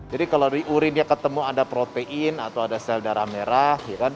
jadi kalau di urinnya ketemu ada protein atau ada sel darah merah